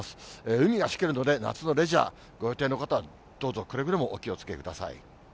海がしけるので夏のレジャー、ご予定の方はどうぞくれぐれもお気をつけください。